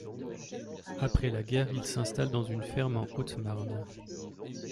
Après la guerre il s'installe dans une ferme en Haute-Marne.